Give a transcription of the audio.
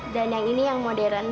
dan yang ini yang modern